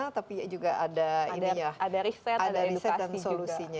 tapi juga ada riset dan solusinya